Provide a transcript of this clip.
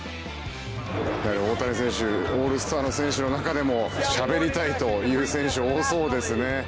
大谷選手オールスターの選手の中でもしゃべりたいという選手多そうですね。